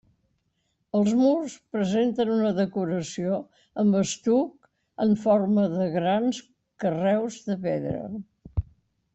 Els murs presenten una decoració amb estuc en forma de grans carreus de pedra.